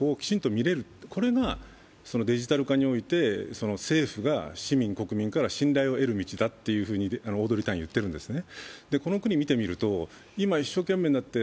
そうじゃなくて、国民、市民が政府、国家の情報をきちんと見れる、これがデジタル化において政府が市民・国民から信頼を得る道だとオードリー・タンは言ってるんですね。